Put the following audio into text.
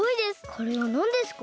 これはなんですか？